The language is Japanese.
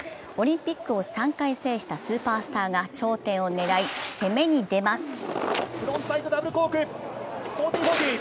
オリンピックを３回制したスーパースターが頂点を狙い、攻めに出ます。